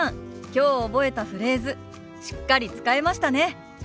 きょう覚えたフレーズしっかり使えましたね。